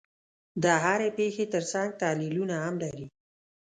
د هرې پېښې ترڅنګ تحلیلونه هم لري.